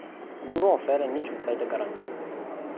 Nu oferă niciun fel de garanții.